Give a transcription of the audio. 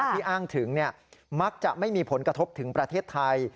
ที่อ้างถึงมักจะไม่มีผลกระทบถึงประเทศไทย